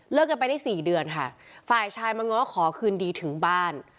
กันไปได้สี่เดือนค่ะฝ่ายชายมาง้อขอคืนดีถึงบ้าน